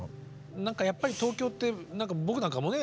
何かやっぱり東京って僕なんかもね